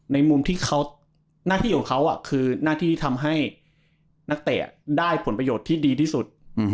ในมุมที่เขาหน้าที่ของเขาคือหน้าที่ทำให้นักเตะได้ผลประโยชน์ที่ดีที่สุด